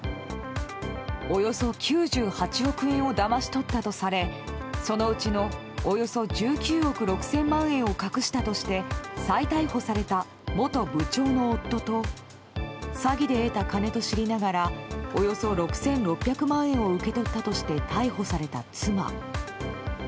およそ９８億円をだまし取ったとされそのうちのおよそ１９億６０００万円を隠したとして再逮捕された元部長の夫と詐欺で得た金と知りながらおよそ６６００万円を受けとったとして逮捕された妻。